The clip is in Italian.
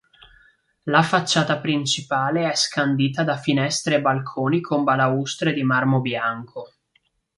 La facciata principale è scandita da finestre e balconi con balaustre di marmo bianco.